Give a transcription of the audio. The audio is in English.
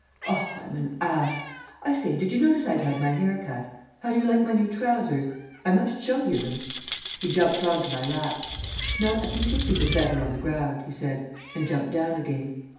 Oh, I am an ass. I say, did you notice I'd had my hair cut? How do you like my new trousers? I must show you them." He jumped on to my lap. "No, I think you'll see them better on the ground," he said, and jumped down again.